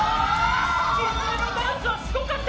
キツネのダンスはすごかった！